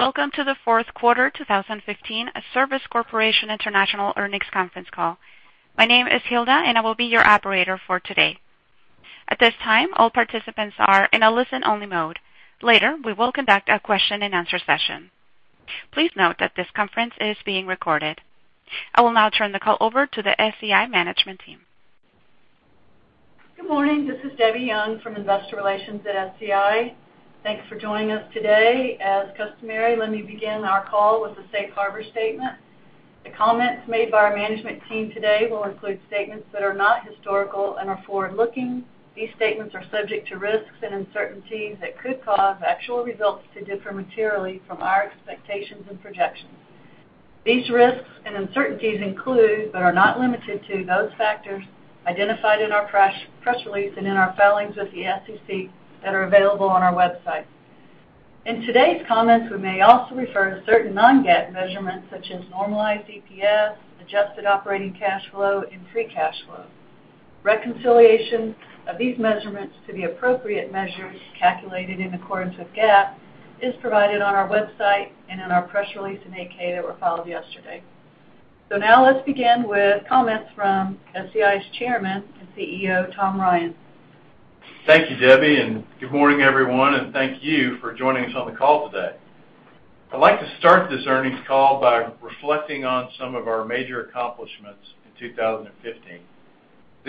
Welcome to the Q4 2015 Service Corporation International earnings conference call. My name is Hilda, and I will be your operator for today. At this time, all participants are in a listen-only mode. Later, we will conduct a question and answer session. Please note that this conference is being recorded. I will now turn the call over to the SCI management team. Good morning. This is Debbie Young from Investor Relations at SCI. Thanks for joining us today. As customary, let me begin our call with the safe harbor statement. The comments made by our management team today will include statements that are not historical and are forward-looking. These statements are subject to risks and uncertainties that could cause actual results to differ materially from our expectations and projections. These risks and uncertainties include, but are not limited to, those factors identified in our press release and in our filings with the SEC that are available on our website. In today's comments, we may also refer to certain non-GAAP measurements such as normalized EPS, adjusted operating cash flow, and free cash flow. Reconciliation of these measurements to the appropriate measures calculated in accordance with GAAP is provided on our website and in our press release in 8-K that were filed yesterday. Now let's begin with comments from SCI's Chairman and CEO, Tom Ryan. Thank you, Debbie, and good morning, everyone, and thank you for joining us on the call today. I'd like to start this earnings call by reflecting on some of our major accomplishments in 2015.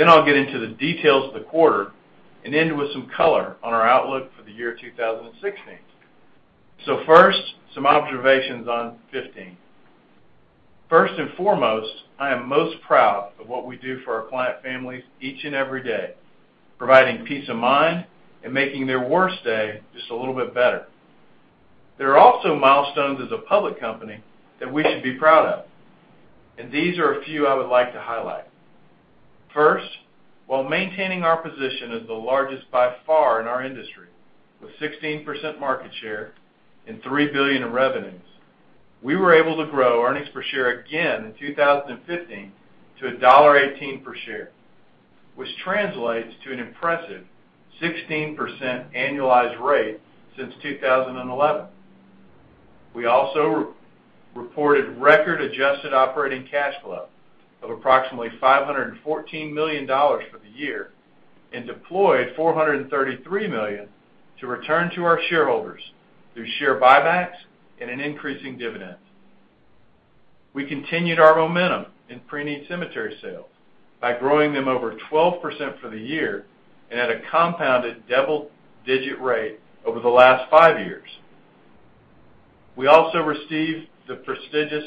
I'll get into the details of the quarter and end with some color on our outlook for the year 2016. First, some observations on '15. First and foremost, I am most proud of what we do for our client families each and every day, providing peace of mind and making their worst day just a little bit better. There are also milestones as a public company that we should be proud of, and these are a few I would like to highlight. While maintaining our position as the largest by far in our industry with 16% market share and $3 billion in revenues, we were able to grow earnings per share again in 2015 to $1.18 per share, which translates to an impressive 16% annualized rate since 2011. We also reported record adjusted operating cash flow of approximately $514 million for the year and deployed $433 million to return to our shareholders through share buybacks and an increasing dividend. We continued our momentum in pre-need cemetery sales by growing them over 12% for the year and at a compounded double-digit rate over the last five years. We also received the prestigious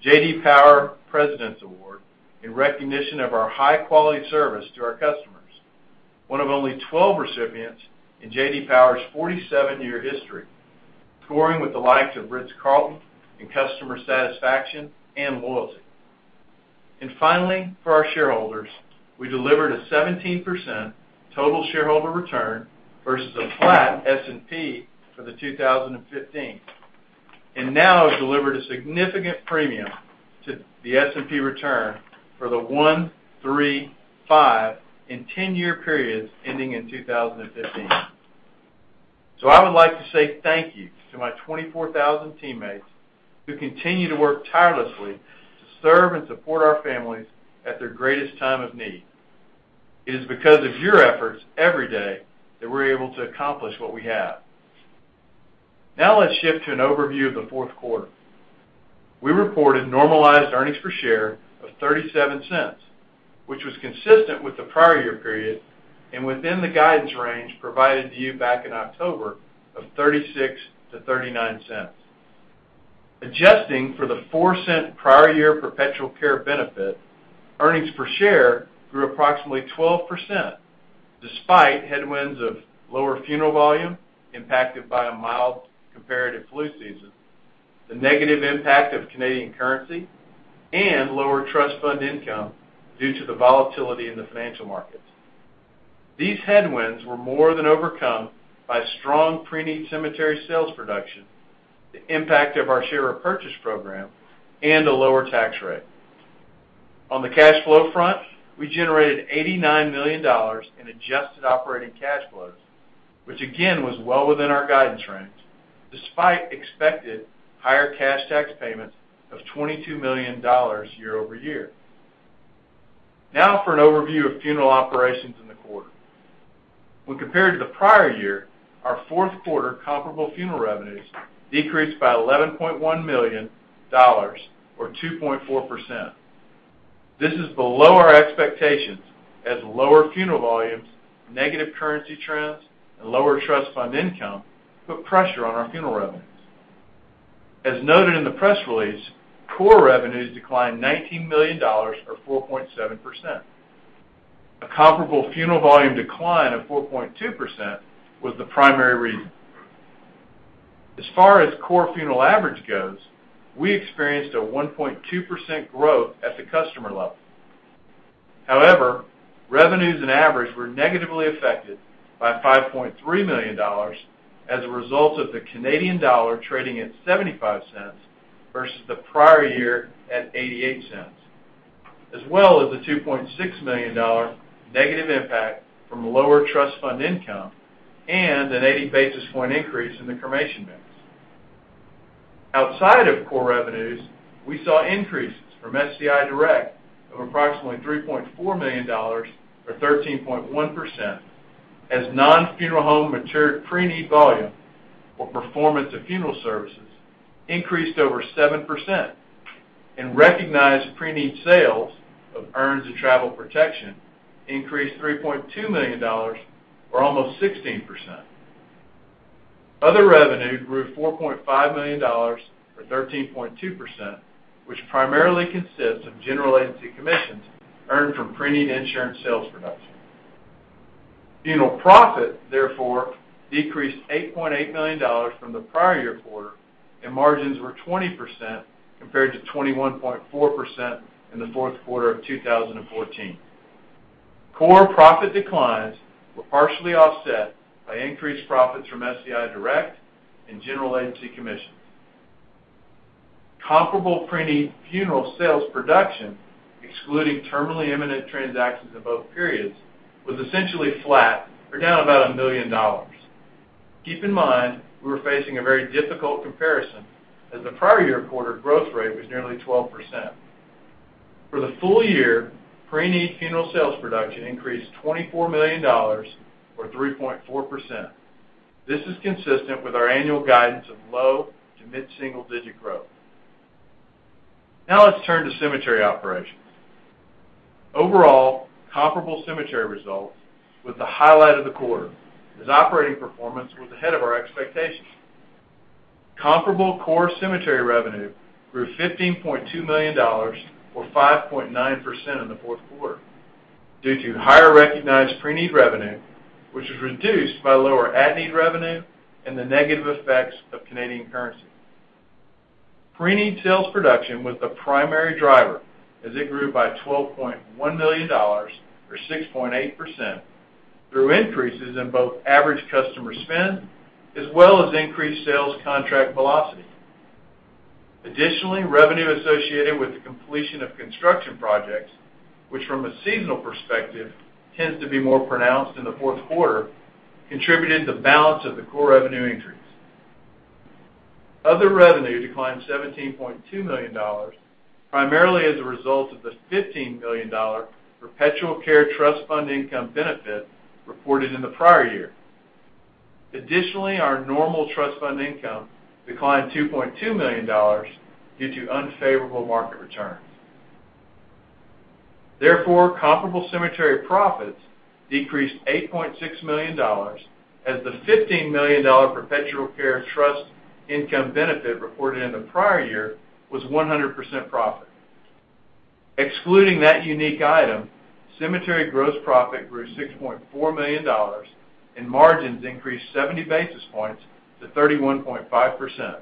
J.D. Power President's Award in recognition of our high-quality service to our customers, one of only 12 recipients in J.D. Power's 47-year history, scoring with the likes of Ritz-Carlton in customer satisfaction and loyalty. Finally, for our shareholders, we delivered a 17% total shareholder return versus a flat S&P for 2015, and now have delivered a significant premium to the S&P return for the one, three, five, and 10-year periods ending in 2015. I would like to say thank you to my 24,000 teammates who continue to work tirelessly to serve and support our families at their greatest time of need. It is because of your efforts every day that we're able to accomplish what we have. Let's shift to an overview of the fourth quarter. We reported normalized earnings per share of $0.37, which was consistent with the prior year period and within the guidance range provided to you back in October of $0.36 to $0.39. Adjusting for the $0.04 prior year perpetual care benefit, earnings per share grew approximately 12%, despite headwinds of lower funeral volume impacted by a mild comparative flu season, the negative impact of Canadian currency, and lower trust fund income due to the volatility in the financial markets. These headwinds were more than overcome by strong pre-need cemetery sales production, the impact of our share repurchase program, and a lower tax rate. On the cash flow front, we generated $89 million in adjusted operating cash flows, which again was well within our guidance range, despite expected higher cash tax payments of $22 million year-over-year. For an overview of funeral operations in the quarter. When compared to the prior year, our fourth quarter comparable funeral revenues decreased by $11.1 million, or 2.4%. This is below our expectations as lower funeral volumes, negative currency trends, and lower trust fund income put pressure on our funeral revenues. As noted in the press release, core revenues declined $19 million, or 4.7%. A comparable funeral volume decline of 4.2% was the primary reason. As far as core funeral average goes, we experienced a 1.2% growth at the customer level. Revenues and average were negatively affected by $5.3 million as a result of the Canadian dollar trading at $0.75 versus the prior year at $0.88. As well as the $2.6 million negative impact from lower trust fund income and an 80 basis point increase in the cremation mix. Outside of core revenues, we saw increases from SCI Direct of approximately $3.4 million, or 13.1%, as non-funeral home matured pre-need volume for performance of funeral services increased over 7% and recognized pre-need sales of urns and travel protection increased $3.2 million or almost 16%. Other revenue grew $4.5 million or 13.2%, which primarily consists of general agency commissions earned from pre-need insurance sales production. Funeral profit, therefore, decreased $8.8 million from the prior year quarter, and margins were 20% compared to 21.4% in the fourth quarter of 2014. Core profit declines were partially offset by increased profits from SCI Direct and general agency commissions. Comparable pre-need funeral sales production, excluding terminally imminent transactions in both periods, was essentially flat or down about $1 million. Keep in mind we were facing a very difficult comparison as the prior year quarter growth rate was nearly 12%. For the full year, pre-need funeral sales production increased $24 million or 3.4%. This is consistent with our annual guidance of low to mid-single digit growth. Now let's turn to cemetery operations. Overall, comparable cemetery results was the highlight of the quarter as operating performance was ahead of our expectations. Comparable core cemetery revenue grew $15.2 million or 5.9% in the fourth quarter due to higher recognized pre-need revenue, which was reduced by lower at-need revenue and the negative effects of Canadian currency. Pre-need sales production was the primary driver as it grew by $12.1 million or 6.8% through increases in both average customer spend as well as increased sales contract velocity. Additionally, revenue associated with the completion of construction projects, which from a seasonal perspective tends to be more pronounced in the fourth quarter, contributed to the balance of the core revenue increase. Other revenue declined $17.2 million, primarily as a result of the $15 million perpetual care trust fund income benefit reported in the prior year. Additionally, our normal trust fund income declined $2.2 million due to unfavorable market returns. Therefore, comparable cemetery profits decreased $8.6 million as the $15 million perpetual care trust income benefit reported in the prior year was 100% profit. Excluding that unique item, cemetery gross profit grew $6.4 million and margins increased 70 basis points to 31.5%.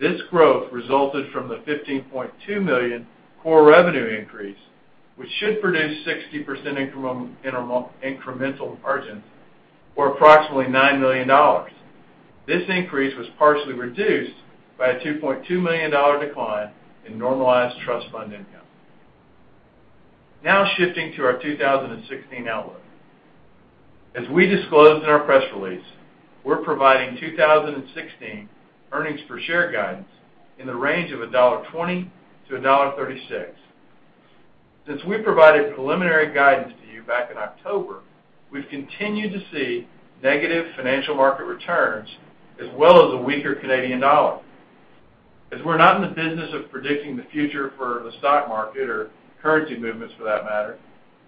This growth resulted from the $15.2 million core revenue increase, which should produce 60% incremental margins or approximately $9 million. This increase was partially reduced by a $2.2 million decline in normalized trust fund income. Now shifting to our 2016 outlook. As we disclosed in our press release, we're providing 2016 earnings per share guidance in the range of $1.20 to $1.36. Since we provided preliminary guidance to you back in October, we've continued to see negative financial market returns as well as a weaker Canadian dollar. As we're not in the business of predicting the future for the stock market or currency movements for that matter,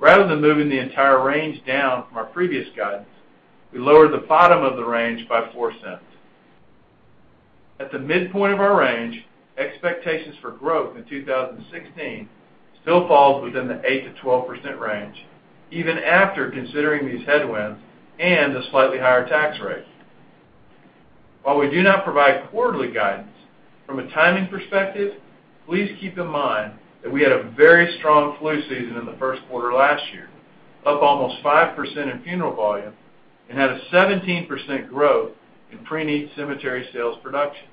rather than moving the entire range down from our previous guidance, we lowered the bottom of the range by $0.04. At the midpoint of our range, expectations for growth in 2016 still falls within the 8%-12% range, even after considering these headwinds and the slightly higher tax rate. While we do not provide quarterly guidance, from a timing perspective, please keep in mind that we had a very strong flu season in the first quarter last year, up almost 5% in funeral volume and had a 17% growth in pre-need cemetery sales production.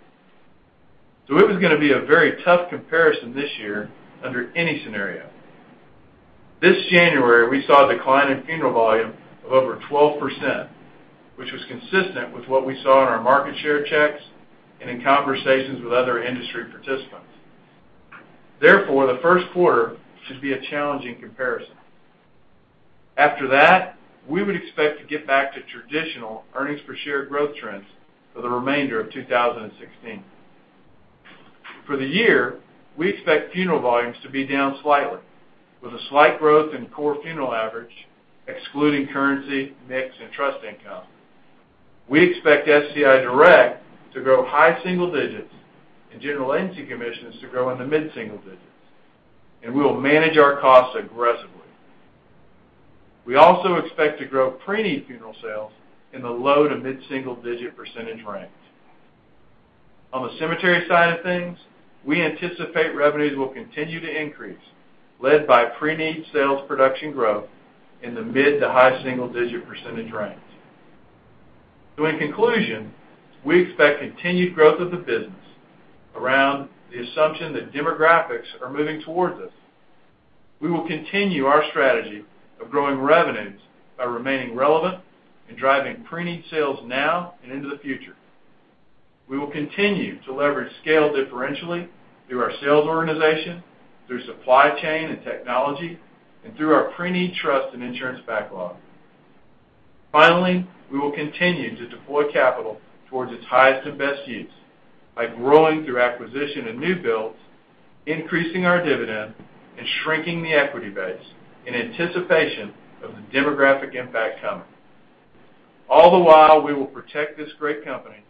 It was going to be a very tough comparison this year under any scenario. This January, we saw a decline in funeral volume of over 12%, which was consistent with what we saw in our market share checks and in conversations with other industry participants. Therefore, the first quarter should be a challenging comparison. After that, we would expect to get back to traditional earnings per share growth trends for the remainder of 2016. For the year, we expect funeral volumes to be down slightly, with a slight growth in core funeral average, excluding currency, mix, and trust income. We expect SCI Direct to grow high single digits and general agency commissions to grow in the mid-single digits. We will manage our costs aggressively. We also expect to grow pre-need funeral sales in the low to mid-single digit percentage range. On the cemetery side of things, we anticipate revenues will continue to increase, led by pre-need sales production growth in the mid to high single digit percentage range. In conclusion, we expect continued growth of the business around the assumption that demographics are moving towards us. We will continue our strategy of growing revenues by remaining relevant and driving pre-need sales now and into the future. We will continue to leverage scale differentially through our sales organization, through supply chain and technology, and through our pre-need trust and insurance backlog. Finally, we will continue to deploy capital towards its highest and best use by growing through acquisition and new builds, increasing our dividend, and shrinking the equity base in anticipation of the demographic impact coming. All the while, we will protect this great company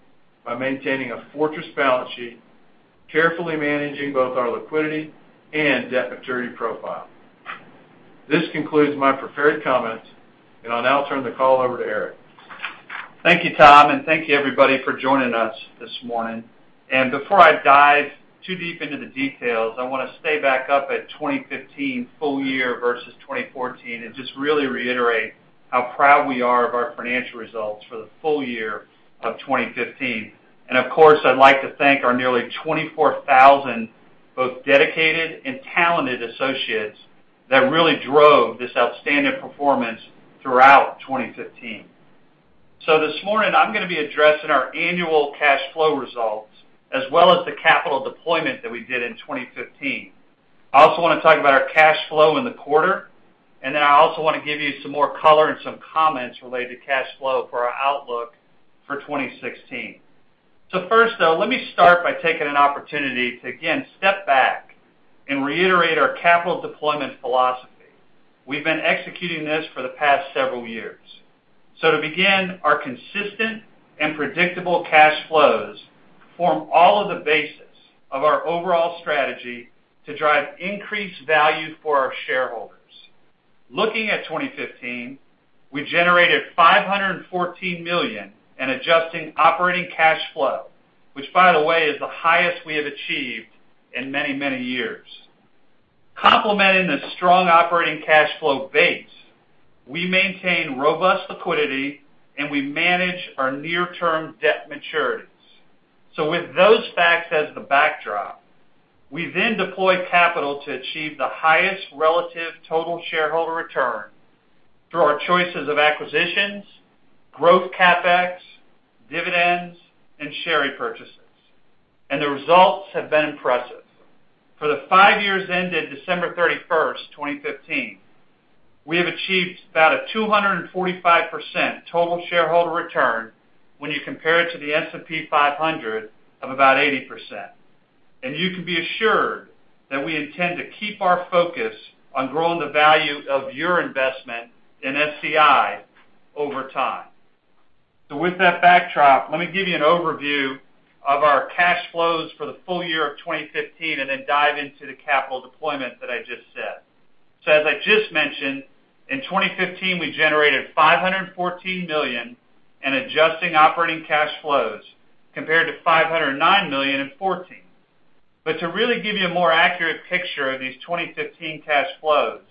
by maintaining a fortress balance sheet, carefully managing both our liquidity and debt maturity profile. This concludes my prepared comments. I'll now turn the call over to Eric. Thank you, Tom. Thank you, everybody, for joining us this morning. Before I dive too deep into the details, I want to stay back up at 2015 full year versus 2014 and just really reiterate how proud we are of our financial results for the full year of 2015. Of course, I'd like to thank our nearly 24,000 both dedicated and talented associates that really drove this outstanding performance throughout 2015. This morning, I'm going to be addressing our annual cash flow results as well as the capital deployment that we did in 2015. I also want to talk about our cash flow in the quarter. I also want to give you some more color and some comments related to cash flow for our outlook for 2016. First, though, let me start by taking an opportunity to again step back and reiterate our capital deployment philosophy. We've been executing this for the past several years. To begin, our consistent and predictable cash flows form all of the basis of our overall strategy to drive increased value for our shareholders. Looking at 2015, we generated $514 million in adjusted operating cash flow, which by the way, is the highest we have achieved in many, many years. Complementing the strong operating cash flow base, we maintain robust liquidity, and we manage our near-term debt maturities. With those facts as the backdrop, we then deploy capital to achieve the highest relative total shareholder return through our choices of acquisitions, growth CapEx, dividends, and share repurchases. The results have been impressive. For the five years ended December 31st, 2015, we have achieved about a 245% total shareholder return when you compare it to the S&P 500 of about 80%. You can be assured that we intend to keep our focus on growing the value of your investment in SCI over time. With that backdrop, let me give you an overview of our cash flows for the full year of 2015 and then dive into the capital deployment that I just said. As I just mentioned, in 2015, we generated $514 million in adjusted operating cash flows compared to $509 million in 2014. To really give you a more accurate picture of these 2015 cash flows,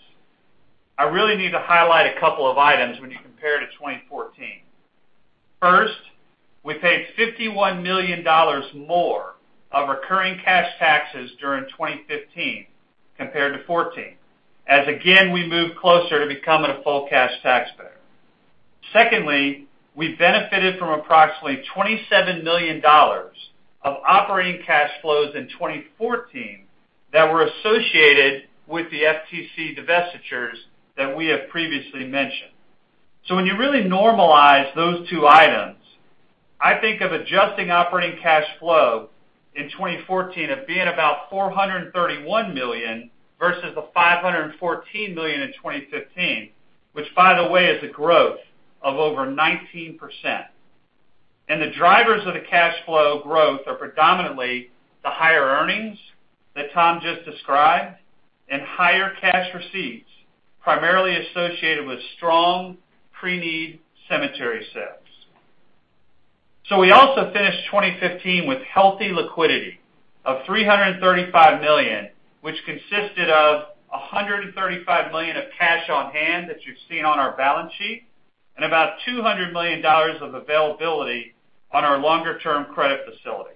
I really need to highlight a couple of items when you compare to 2014. First, we paid $51 million more of recurring cash taxes during 2015 compared to 2014, as again, we move closer to becoming a full cash taxpayer. Secondly, we benefited from approximately $27 million of operating cash flows in 2014 that were associated with the FTC divestitures that we have previously mentioned. When you really normalize those two items, I think of adjusted operating cash flow in 2014 of being about $431 million versus the $514 million in 2015, which by the way, is a growth of over 19%. The drivers of the cash flow growth are predominantly the higher earnings that Tom just described and higher cash receipts, primarily associated with strong pre-need cemetery sales. We also finished 2015 with healthy liquidity of $335 million, which consisted of $135 million of cash on hand that you've seen on our balance sheet, and about $200 million of availability on our longer-term credit facility.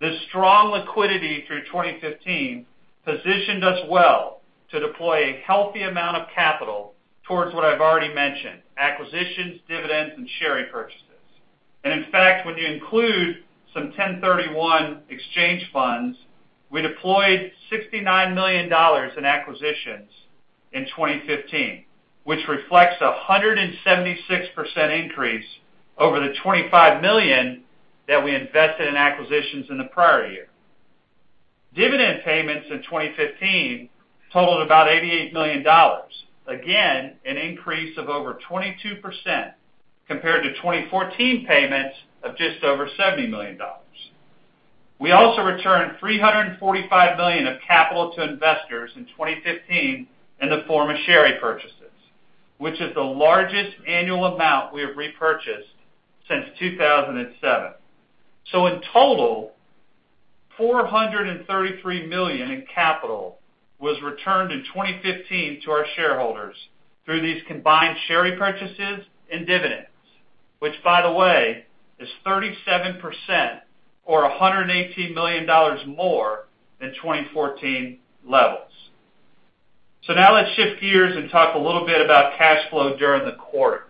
This strong liquidity through 2015 positioned us well to deploy a healthy amount of capital towards what I've already mentioned, acquisitions, dividends, and share repurchases. In fact, when you include some 1031 exchange funds, we deployed $69 million in acquisitions in 2015, which reflects 176% increase over the $25 million that we invested in acquisitions in the prior year. Dividend payments in 2015 totaled about $88 million. Again, an increase of over 22% compared to 2014 payments of just over $70 million. We also returned $345 million of capital to investors in 2015 in the form of share repurchases, which is the largest annual amount we have repurchased since 2007. In total $433 million in capital was returned in 2015 to our shareholders through these combined share repurchases and dividends, which by the way, is 37% or $118 million more than 2014 levels. Now let's shift gears and talk a little bit about cash flow during the quarter.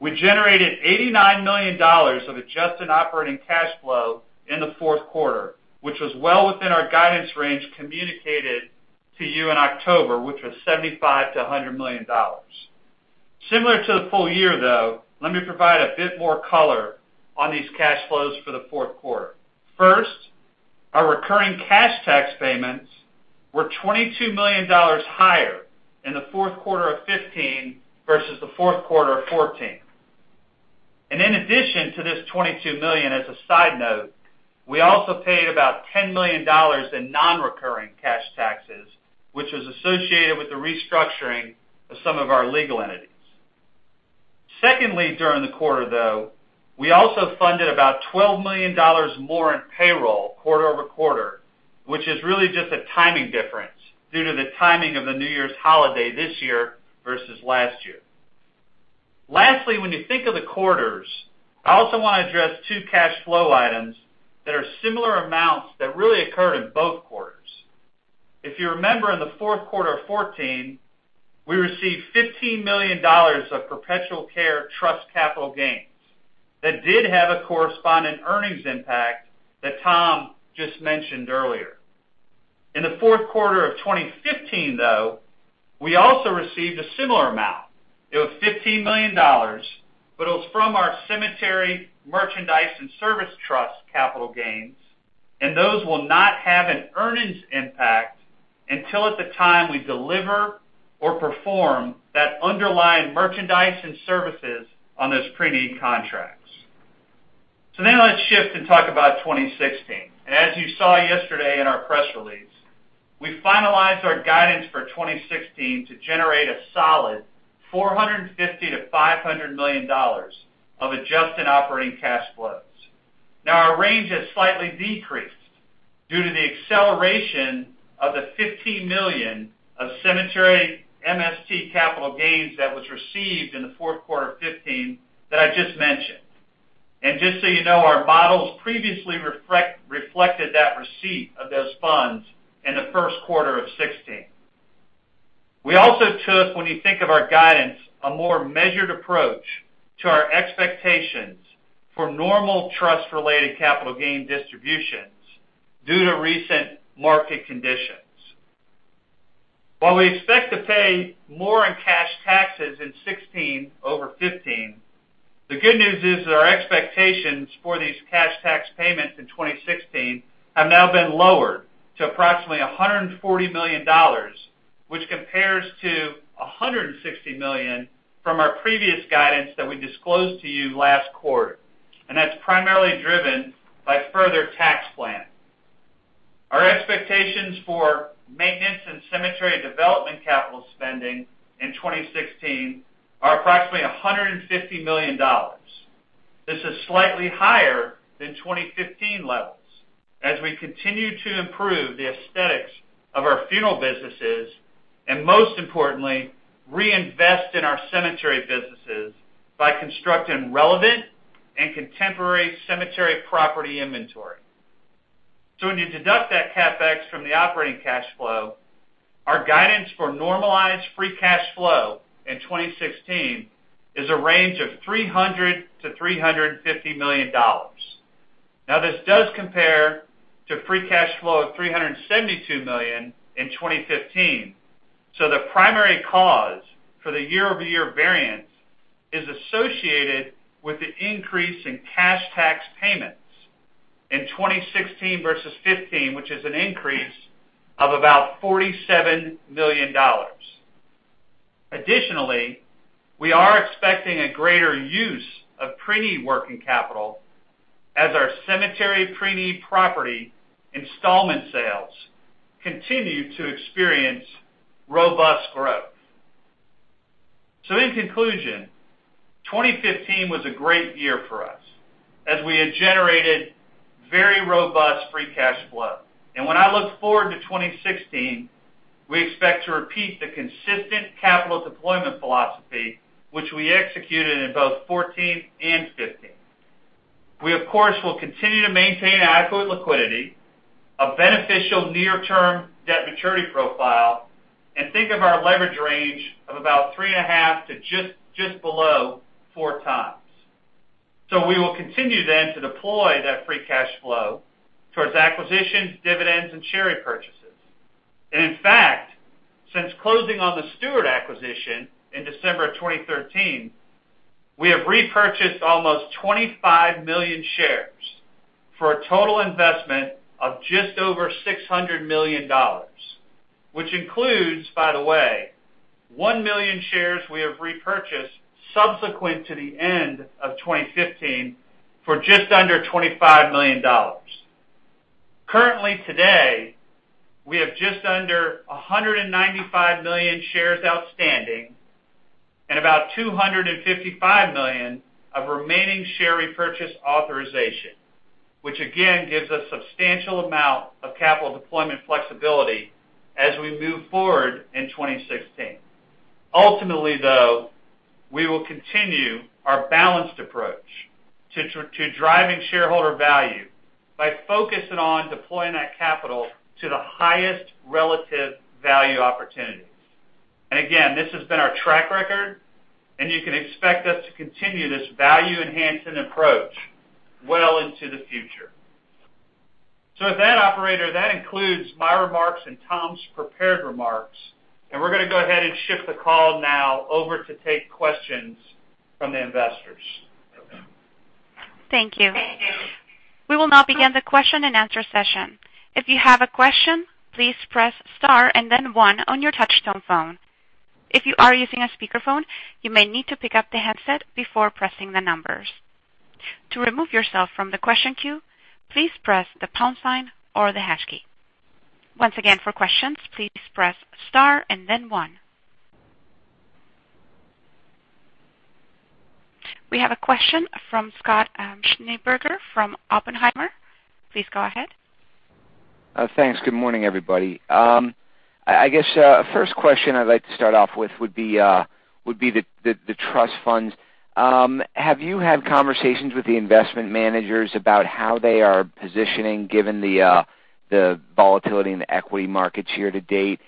We generated $89 million of adjusted operating cash flow in the fourth quarter, which was well within our guidance range communicated to you in October, which was $75 million-$100 million. Similar to the full year, though, let me provide a bit more color on these cash flows for the fourth quarter. First, our recurring cash tax payments were $22 million higher in the fourth quarter of 2015 versus the fourth quarter of 2014. In addition to this $22 million, as a side note, we also paid about $10 million in non-recurring cash taxes, which was associated with the restructuring of some of our legal entities. Secondly, during the quarter, though, we also funded about $12 million more in payroll quarter-over-quarter, which is really just a timing difference due to the timing of the New Year's holiday this year versus last year. Lastly, when you think of the quarters, I also want to address two cash flow items that are similar amounts that really occurred in both quarters. If you remember, in the fourth quarter of 2014, we received $15 million of perpetual care trust capital gains that did have a corresponding earnings impact that Tom just mentioned earlier. In the fourth quarter of 2015, though, we also received a similar amount. It was $15 million, but it was from our cemetery merchandise and service trust capital gains, and those will not have an earnings impact until at the time we deliver or perform that underlying merchandise and services on those pre-need contracts. Let's shift and talk about 2016. As you saw yesterday in our press release, we finalized our guidance for 2016 to generate a solid $450 million-$500 million of adjusted operating cash flows. Our range has slightly decreased due to the acceleration of the $15 million of cemetery MST capital gains that was received in the fourth quarter of 2015 that I just mentioned. Just so you know, our models previously reflected that receipt of those funds in the first quarter of 2016. We also took, when you think of our guidance, a more measured approach to our expectations for normal trust-related capital gain distributions due to recent market conditions. While we expect to pay more in cash taxes in 2016 over 2015, the good news is that our expectations for these cash tax payments in 2016 have now been lowered to approximately $140 million, which compares to $160 million from our previous guidance that we disclosed to you last quarter. That's primarily driven by further tax plans. Our expectations for maintenance and cemetery development capital spending in 2016 are approximately $150 million. This is slightly higher than 2015 levels as we continue to improve the aesthetics of our funeral businesses, and most importantly, reinvest in our cemetery businesses by constructing relevant and contemporary cemetery property inventory. When you deduct that CapEx from the operating cash flow, our guidance for normalized free cash flow in 2016 is a range of $300 million-$350 million. This does compare to free cash flow of $372 million in 2015. The primary cause for the year-over-year variance is associated with the increase in cash tax payments in 2016 versus 2015, which is an increase of about $47 million. Additionally, we are expecting a greater use of pre-need working capital as our cemetery pre-need property installment sales continue to experience robust growth. In conclusion, 2015 was a great year for us as we had generated very robust free cash flow. When I look forward to 2016, we expect to repeat the consistent capital deployment philosophy which we executed in both 2014 and 2015. We, of course, will continue to maintain adequate liquidity, a beneficial near-term debt maturity profile, and think of our leverage range of about 3.5 to just below 4 times. We will continue then to deploy that free cash flow towards acquisitions, dividends, and share repurchases. In fact, since closing on the Stewart acquisition in December of 2013, we have repurchased almost 25 million shares for a total investment of just over $600 million, which includes, by the way, 1 million shares we have repurchased subsequent to the end of 2015 for just under $25 million. Currently today, we have just under 195 million shares outstanding. About $255 million of remaining share repurchase authorization, which again, gives us substantial amount of capital deployment flexibility as we move forward in 2016. Ultimately, though, we will continue our balanced approach to driving shareholder value by focusing on deploying that capital to the highest relative value opportunities. Again, this has been our track record, and you can expect us to continue this value-enhancing approach well into the future. With that, operator, that includes my remarks and Tom's prepared remarks, and we're going to go ahead and shift the call now over to take questions from the investors. Thank you. We will now begin the question and answer session. If you have a question, please press star and then one on your touchtone phone. If you are using a speakerphone, you may need to pick up the headset before pressing the numbers. To remove yourself from the question queue, please press the pound sign or the hash key. Once again, for questions, please press star and then one. We have a question from Scott Schneeberger from Oppenheimer. Please go ahead. Thanks. Good morning, everybody. I guess, first question I'd like to start off with would be the trust funds. Have you had conversations with the investment managers about how they are positioning given the volatility in the equity markets year to date?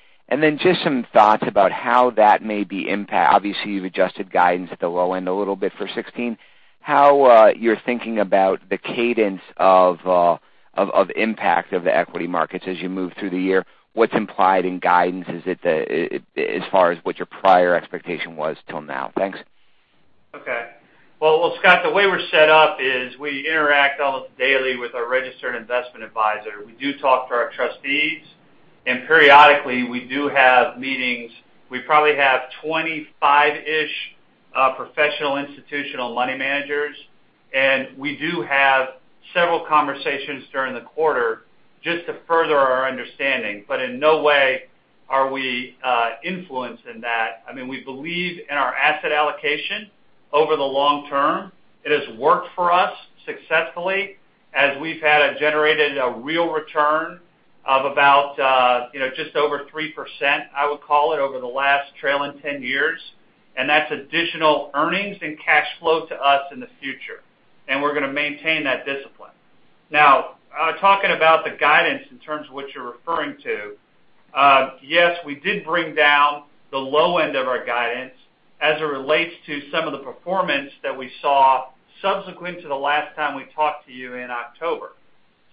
Just some thoughts about how that may impact. Obviously, you've adjusted guidance at the low end a little bit for 2016. How you're thinking about the cadence of impact of the equity markets as you move through the year. What's implied in guidance as far as what your prior expectation was till now? Thanks. Well, Scott, the way we're set up is we interact almost daily with our registered investment adviser. We do talk to our trustees, and periodically we do have meetings. We probably have 25-ish professional institutional money managers, and we do have several conversations during the quarter just to further our understanding. In no way are we influenced in that. We believe in our asset allocation over the long term. It has worked for us successfully as we've had a generated a real return of about just over 3%, I would call it, over the last trail in 10 years. That's additional earnings and cash flow to us in the future. We're going to maintain that discipline. Talking about the guidance in terms of what you're referring to, yes, we did bring down the low end of our guidance as it relates to some of the performance that we saw subsequent to the last time we talked to you in October.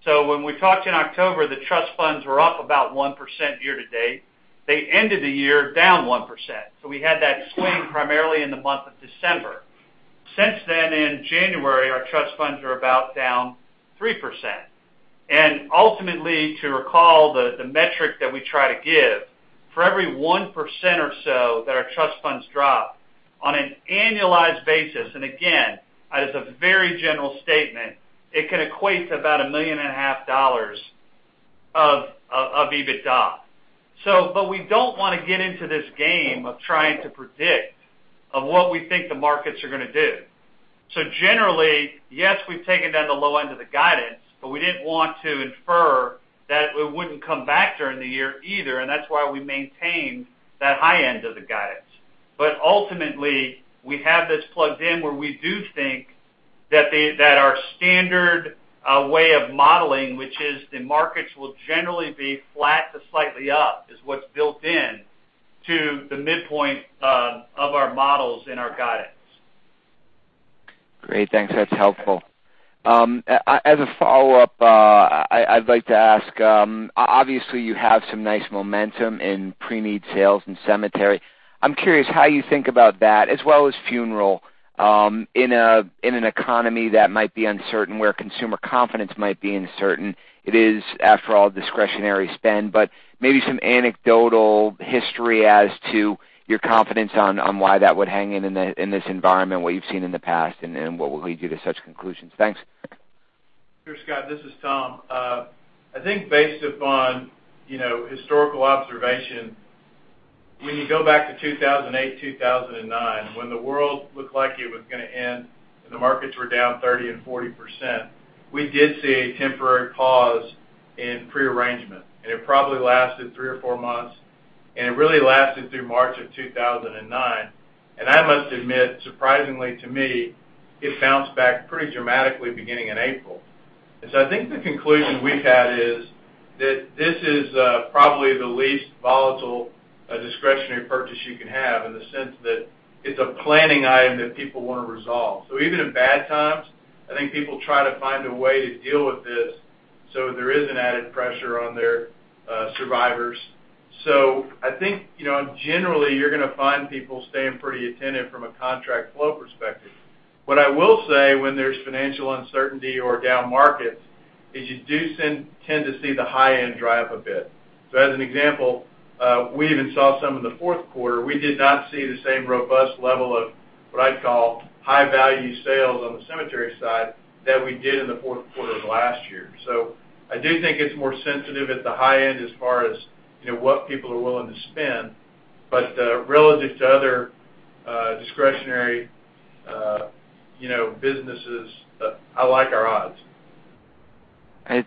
When we talked in October, the trust funds were up about 1% year to date. They ended the year down 1%. We had that swing primarily in the month of December. Since then, in January, our trust funds are about down 3%. Ultimately, to recall the metric that we try to give, for every 1% or so that our trust funds drop on an annualized basis, and again, as a very general statement, it can equate to about a million and a half dollars of EBITDA. We don't want to get into this game of trying to predict of what we think the markets are going to do. Generally, yes, we've taken down the low end of the guidance. We didn't want to infer that it wouldn't come back during the year either. That's why we maintained that high end of the guidance. Ultimately, we have this plugged in where we do think that our standard way of modeling, which is the markets will generally be flat to slightly up, is what's built in to the midpoint of our models in our guidance. Great. Thanks. That's helpful. As a follow-up, I'd like to ask, obviously you have some nice momentum in pre-need sales in cemetery. I'm curious how you think about that as well as funeral, in an economy that might be uncertain, where consumer confidence might be uncertain. It is, after all, discretionary spend, but maybe some anecdotal history as to your confidence on why that would hang in this environment, what you've seen in the past and what will lead you to such conclusions. Thanks. Sure, Scott, this is Tom. I think based upon historical observation, when you go back to 2008, 2009, when the world looked like it was going to end and the markets were down 30% and 40%, we did see a temporary pause in pre-arrangement. It probably lasted three or four months. It really lasted through March of 2009. I must admit, surprisingly to me, it bounced back pretty dramatically beginning in April. I think the conclusion we've had is that this is probably the least volatile discretionary purchase you can have in the sense that it's a planning item that people want to resolve. Even in bad times, I think people try to find a way to deal with this so there is an added pressure on their survivors. I think, generally, you're going to find people staying pretty attentive from a contract flow perspective. What I will say when there's financial uncertainty or down markets is you do tend to see the high end dry up a bit. As an example, we even saw some in the fourth quarter. We did not see the same robust level of What I'd call high-value sales on the cemetery side than we did in the fourth quarter of last year. I do think it's more sensitive at the high end as far as what people are willing to spend. Relative to other discretionary businesses, I like our odds.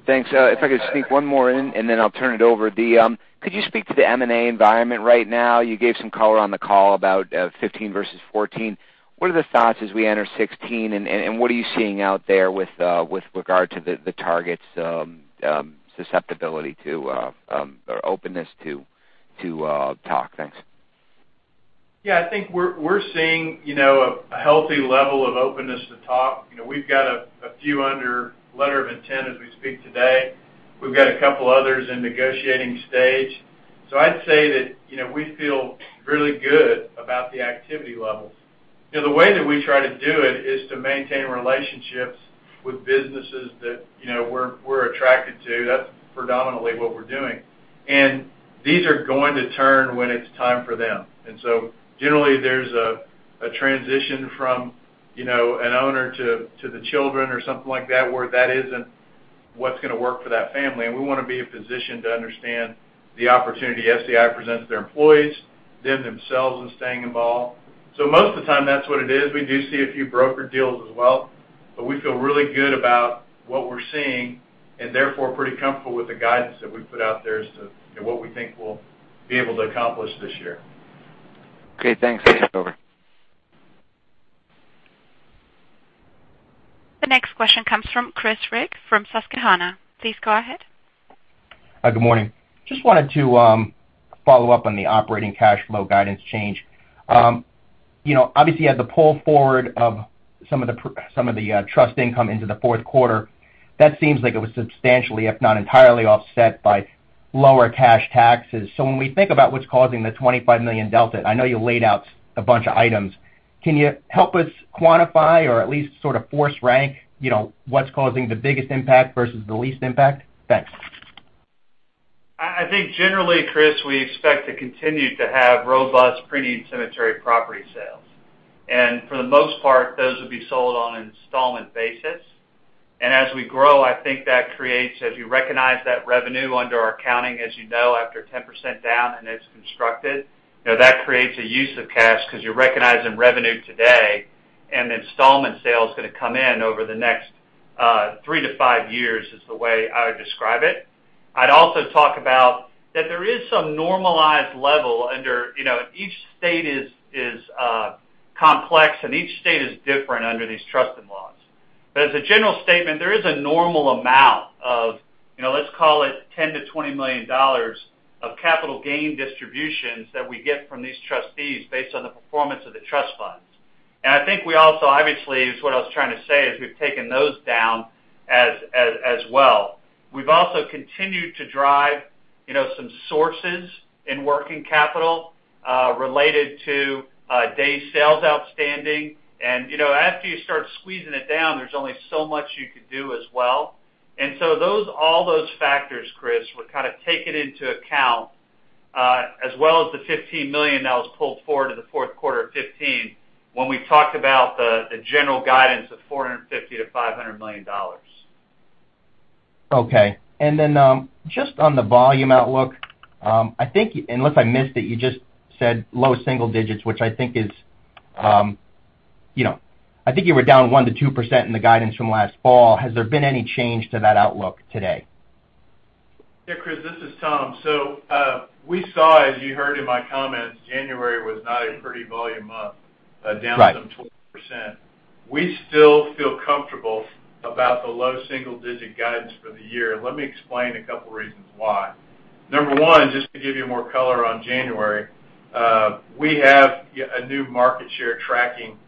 Thanks. If I could sneak one more in, then I'll turn it over. Could you speak to the M&A environment right now? You gave some color on the call about 2015 versus 2014. What are the thoughts as we enter 2016, and what are you seeing out there with regard to the targets' susceptibility to, or openness to talk? Thanks. Yeah, I think we're seeing a healthy level of openness to talk. We've got a few under letter of intent as we speak today. We've got a couple others in negotiating stage. I'd say that we feel really good about the activity levels. The way that we try to do it is to maintain relationships with businesses that we're attracted to. That's predominantly what we're doing. These are going to turn when it's time for them. Generally, there's a transition from an owner to the children or something like that, where that isn't what's going to work for that family. We want to be in a position to understand the opportunity SCI presents to their employees, them themselves in staying involved. Most of the time, that's what it is. We do see a few broker deals as well, but we feel really good about what we're seeing and therefore pretty comfortable with the guidance that we've put out there as to what we think we'll be able to accomplish this year. Okay, thanks. Over. The next question comes from Chris Rigg from Susquehanna. Please go ahead. Hi, good morning. Just wanted to follow up on the adjusted operating cash flow guidance change. Obviously, you had the pull forward of some of the trust income into the fourth quarter. That seems like it was substantially, if not entirely, offset by lower cash taxes. When we think about what's causing the $25 million delta, I know you laid out a bunch of items. Can you help us quantify or at least sort of force rank what's causing the biggest impact versus the least impact? Thanks. I think generally, Chris, we expect to continue to have robust pre-need cemetery property sales. For the most part, those would be sold on an installment basis. As we grow, I think that creates, as you recognize that revenue under our accounting, as you know, after 10% down and it's constructed, that creates a use of cash because you're recognizing revenue today and the installment sale is going to come in over the next three to five years, is the way I would describe it. I'd also talk about that there is some normalized level under each state is complex, and each state is different under these trust and laws. As a general statement, there is a normal amount of, let's call it $10 million-$20 million of capital gain distributions that we get from these trustees based on the performance of the trust funds. I think we also, obviously, is what I was trying to say, is we've taken those down as well. We've also continued to drive some sources in working capital related to days sales outstanding. After you start squeezing it down, there's only so much you can do as well. All those factors, Chris, were kind of taken into account as well as the $15 million that was pulled forward in the fourth quarter of 2015 when we talked about the general guidance of $450 million-$500 million. Okay. Just on the volume outlook, I think, unless I missed it, you just said low single digits, which I think you were down 1%-2% in the guidance from last fall. Has there been any change to that outlook today? Yeah, Chris, this is Tom. We saw, as you heard in my comments, January was not a pretty volume month. Right down some 20%. We still feel comfortable about the low single-digit guidance for the year. Let me explain a couple reasons why. Number one, just to give you more color on January, we have a new market share tracking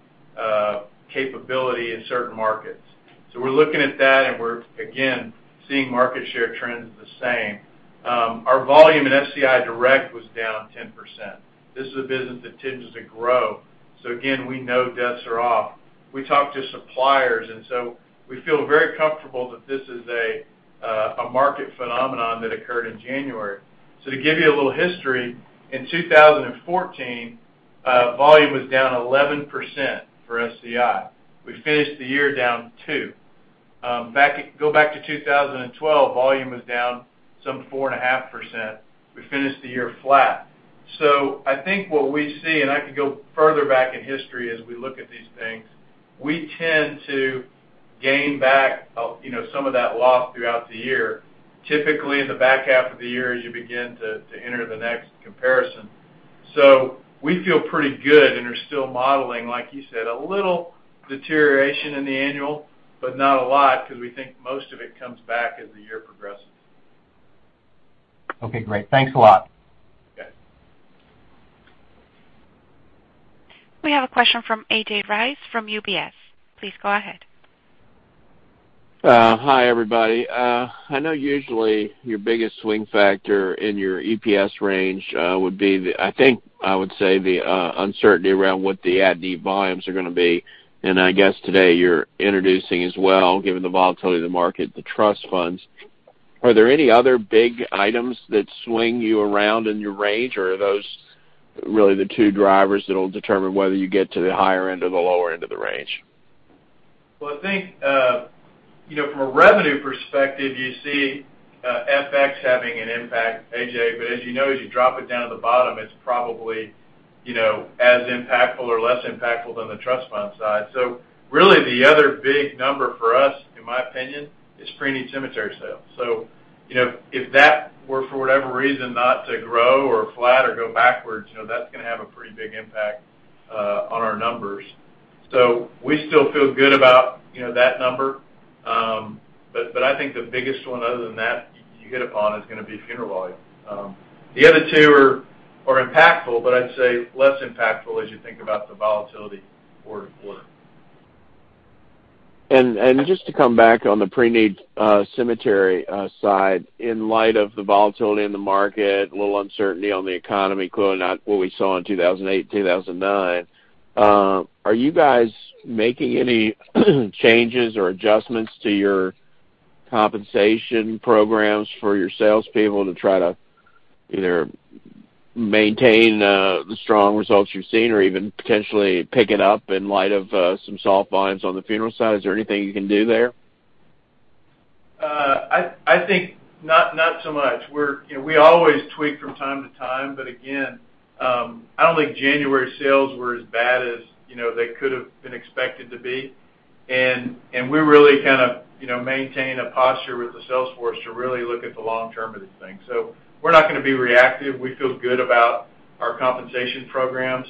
capability in certain markets. We're looking at that, and we're again seeing market share trends the same. Our volume in SCI Direct was down 10%. This is a business that tends to grow. Again, we know deaths are off. We talk to suppliers, and we feel very comfortable that this is a market phenomenon that occurred in January. To give you a little history, in 2014, volume was down 11% for SCI. We finished the year down 2%. Go back to 2012, volume was down some 4.5%. We finished the year flat. I think what we see, and I could go further back in history as we look at these things, we tend to gain back some of that loss throughout the year, typically in the back half of the year as you begin to enter the next comparison. We feel pretty good and are still modeling, like you said, a little deterioration in the annual, but not a lot because we think most of it comes back as the year progresses. Okay, great. Thanks a lot. Okay. We have a question from A.J. Rice from UBS. Please go ahead. Hi, everybody. I know usually your biggest swing factor in your EPS range would be, I think, I would say the uncertainty around what the at-need volumes are going to be. I guess today you're introducing as well, given the volatility of the market, the trust funds. Are there any other big items that swing you around in your range, or are those really the two drivers that'll determine whether you get to the higher end or the lower end of the range? I think, from a revenue perspective, you see FX having an impact, A.J. As you know, as you drop it down to the bottom, it's probably as impactful or less impactful than the trust fund side. Really the other big number for us, in my opinion, is pre-need cemetery sales. If that were for whatever reason, not to grow or flat or go backwards, that's going to have a pretty big impact on our numbers. We still feel good about that number. I think the biggest one other than that, you hit upon, is going to be funeral volume. The other two are impactful, but I'd say less impactful as you think about the volatility quarter-to-quarter. Just to come back on the pre-need cemetery side, in light of the volatility in the market, a little uncertainty on the economy, clearly not what we saw in 2008 and 2009, are you guys making any changes or adjustments to your compensation programs for your salespeople to try to either maintain the strong results you've seen or even potentially pick it up in light of some soft volumes on the funeral side? Is there anything you can do there? I think not so much. We always tweak from time to time, again, I don't think January sales were as bad as they could've been expected to be. We really kind of maintain a posture with the sales force to really look at the long term of these things. We're not going to be reactive. We feel good about our compensation programs.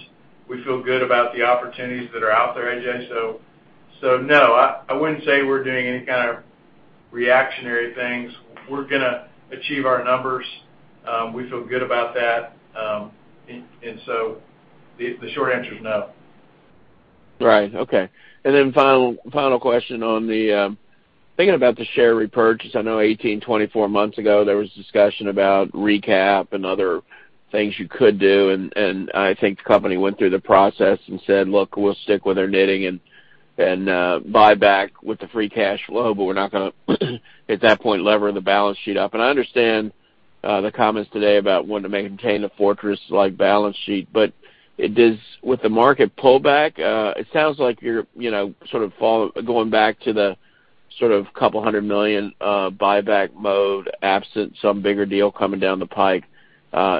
We feel good about the opportunities that are out there, A.J. No, I wouldn't say we're doing any kind of reactionary things. We're going to achieve our numbers. We feel good about that. The short answer is no. Right. Okay. Final question on the thinking about the share repurchase, I know 18, 24 months ago, there was discussion about recap and other things you could do, I think the company went through the process and said, "Look, we'll stick with our knitting and buy back with the free cash flow, we're not going to at that point lever the balance sheet up." I understand the comments today about wanting to maintain the fortress-like balance sheet, with the market pullback, it sounds like you're sort of going back to the sort of $200 million buyback mode absent some bigger deal coming down the pike.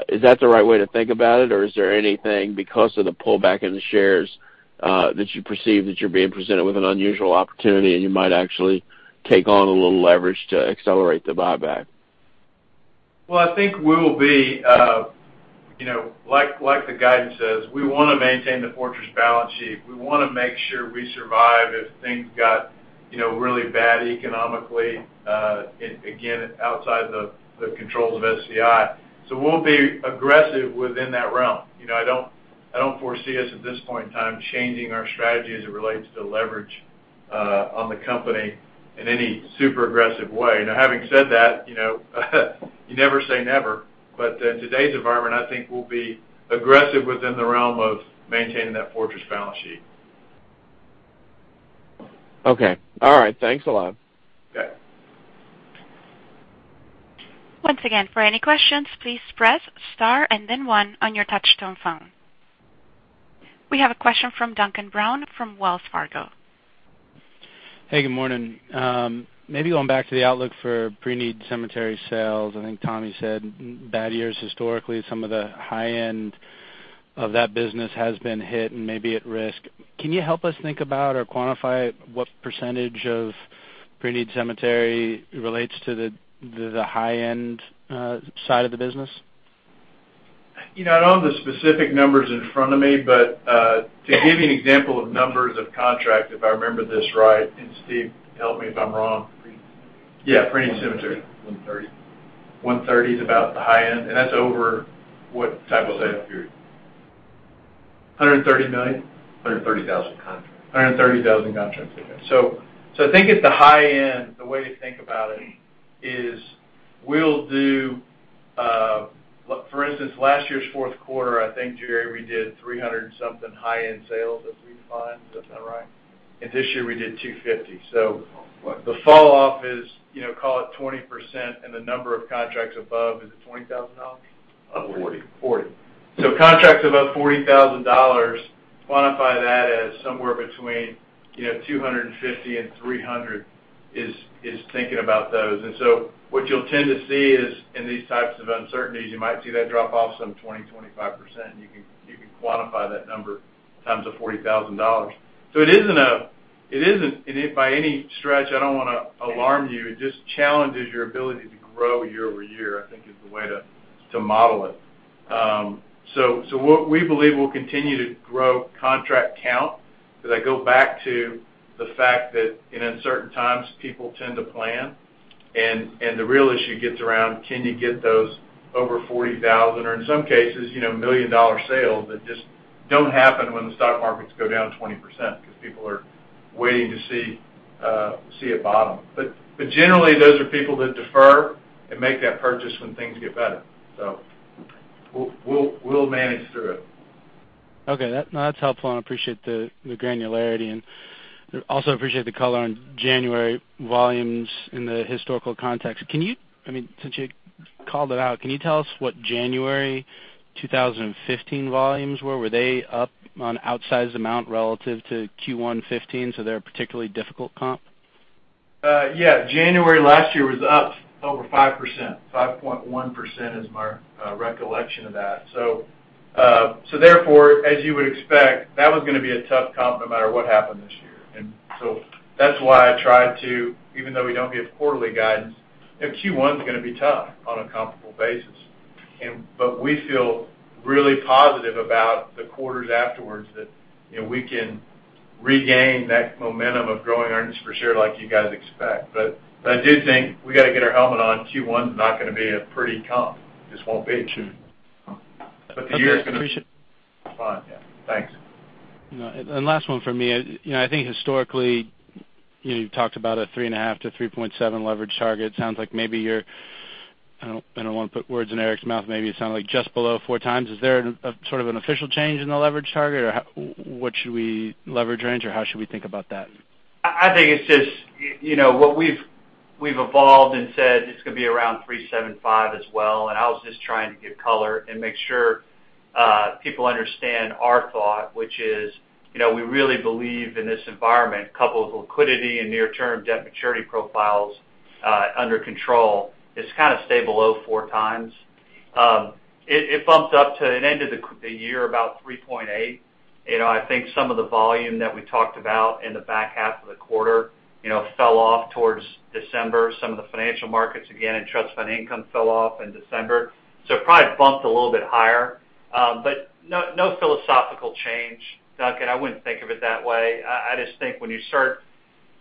Is that the right way to think about it? Is there anything, because of the pullback in the shares, that you perceive that you're being presented with an unusual opportunity, and you might actually take on a little leverage to accelerate the buyback? Well, I think we will be like the guidance says, we want to maintain the fortress balance sheet. We want to make sure we survive if things got really bad economically, again, outside the controls of SCI. We'll be aggressive within that realm. I don't foresee us at this point in time changing our strategy as it relates to leverage on the company in any super aggressive way. Having said that you never say never, but in today's environment, I think we'll be aggressive within the realm of maintaining that fortress balance sheet. Okay. All right. Thanks a lot. Okay. Once again, for any questions, please press star and then one on your touchtone phone. We have a question from Duncan Brown from Wells Fargo. Hey, good morning. Maybe going back to the outlook for pre-need cemetery sales. I think Tommy said bad years historically, some of the high end of that business has been hit and may be at risk. Can you help us think about or quantify what % of pre-need cemetery relates to the high-end side of the business? I don't have the specific numbers in front of me, but to give you an example of numbers of contract, if I remember this right, and Steve, help me if I'm wrong. Pre-need cemetery. Yeah, pre-need cemetery. 130. 130 is about the high end, and that's over what type of sale? period. $130 million? 130,000 contracts. 130,000 contracts. Okay. I think at the high end, the way to think about it is we'll do for instance, last year's fourth quarter, I think, Jerry, we did 300 and something high-end sales, if we find. Does that sound right? This year we did 250. The falloff is, call it 20%, and the number of contracts above, is it $20,000? Forty. 40. Contracts above $40,000, quantify that as somewhere between 250 and 300 is thinking about those. What you'll tend to see is in these types of uncertainties, you might see that drop off some 20, 25%, and you can quantify that number times the $40,000. It isn't by any stretch, I don't want to alarm you. It just challenges your ability to grow year-over-year, I think is the way to model it. What we believe will continue to grow contract count, because I go back to the fact that in uncertain times, people tend to plan, and the real issue gets around can you get those over $40,000, or in some cases, million-dollar sales that just don't happen when the stock markets go down 20%, because people are waiting to see a bottom. Generally, those are people that defer and make that purchase when things get better. We'll manage through it. Okay. No, that's helpful, and I appreciate the granularity, and also appreciate the color on January volumes in the historical context. Since you called it out, can you tell us what January 2015 volumes were? Were they up on outsized amount relative to Q1 2015, so they're a particularly difficult comp? Yeah. January last year was up over 5%. 5.1% is my recollection of that. Therefore, as you would expect, that was going to be a tough comp no matter what happened this year. That's why I tried to, even though we don't give quarterly guidance, Q1 is going to be tough on a comparable basis. We feel really positive about the quarters afterwards that we can regain that momentum of growing earnings per share like you guys expect. I do think we got to get our helmet on. Q1 is not going to be a pretty comp. Just won't be, true. Okay. Appreciate it. Fine. Yeah. Thanks. Last one from me. I think historically, you've talked about a 3.5 to 3.7 leverage target. Sounds like maybe you're I don't want to put words in Eric's mouth. Maybe it sounded like just below four times. Is there sort of an official change in the leverage target? What should we leverage range, or how should we think about that? I think it's just what we've evolved and said it's going to be around 3.75 as well. I was just trying to give color and make sure people understand our thought, which is, we really believe in this environment, coupled with liquidity and near-term debt maturity profiles under control, is kind of stay below four times. It bumped up to an end of the year about 3.8. I think some of the volume that we talked about in the back half of the quarter fell off towards December. Some of the financial markets, again, and trust fund income fell off in December. It probably bumped a little bit higher. No philosophical change, Duncan. I wouldn't think of it that way. I just think when you start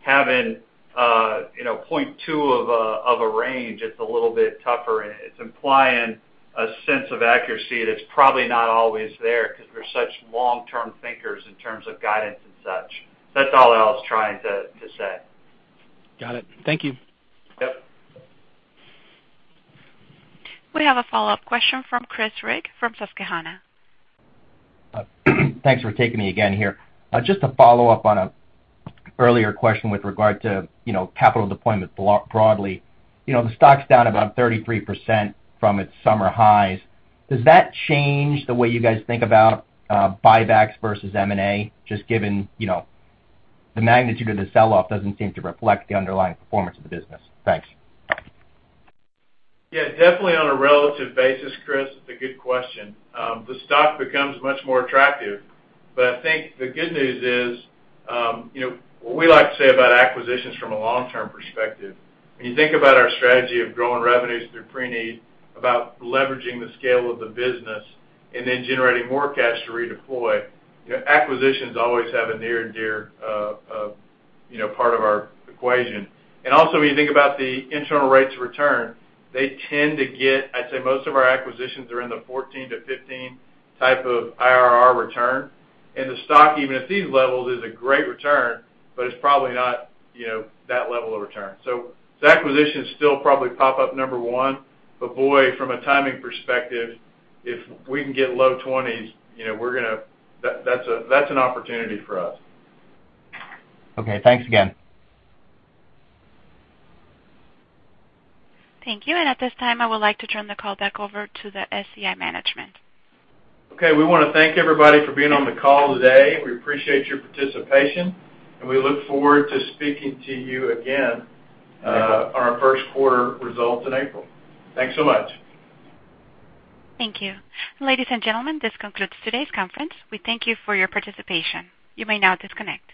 having 0.2 of a range, it's a little bit tougher, and it's implying a sense of accuracy that's probably not always there because we're such long-term thinkers in terms of guidance and such. That's all I was trying to say. Got it. Thank you. Yep. We have a follow-up question from Chris Rigg from Susquehanna. Thanks for taking me again here. Just to follow up on an earlier question with regard to capital deployment broadly. The stock's down about 33% from its summer highs. Does that change the way you guys think about buybacks versus M&A, just given the magnitude of the sell-off doesn't seem to reflect the underlying performance of the business. Thanks. Yeah, definitely on a relative basis, Chris. It's a good question. The stock becomes much more attractive. I think the good news is, what we like to say about acquisitions from a long-term perspective, when you think about our strategy of growing revenues through pre-need, about leveraging the scale of the business and then generating more cash to redeploy, acquisitions always have a near and dear part of our equation. Also, when you think about the internal rates of return, they tend to get, I'd say, most of our acquisitions are in the 14 to 15 type of IRR return. The stock, even at these levels, is a great return, but it's probably not that level of return. The acquisitions still probably pop up number one. Boy, from a timing perspective, if we can get low 20s, that's an opportunity for us. Okay. Thanks again. Thank you. At this time, I would like to turn the call back over to the SCI management. Okay, we want to thank everybody for being on the call today. We appreciate your participation, and we look forward to speaking to you again on our first quarter results in April. Thanks so much. Thank you. Ladies and gentlemen, this concludes today's conference. We thank you for your participation. You may now disconnect.